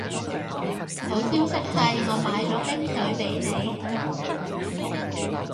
好消息係我買咗冰水畀你